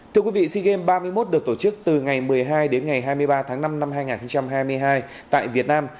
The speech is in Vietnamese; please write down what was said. thưa quý vị sea games ba mươi một được tổ chức từ ngày một mươi hai đến ngày hai mươi ba tháng năm năm hai nghìn hai mươi hai tại việt nam